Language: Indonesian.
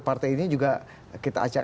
partai ini juga kita ajak